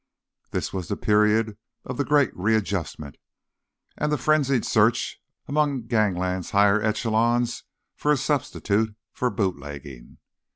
This was the period of the Great Readjustment, and the frenzied search among gangland's higher echelons for a substitute for bootlegging.